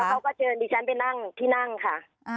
แล้วเขาก็เจอดิฉันไปนั่งที่นั่งค่ะ